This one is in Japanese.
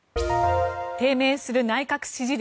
低迷する内閣支持率。